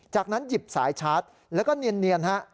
จากนั้นหยิบสายชาร์จแล้วก็เนียนฮะ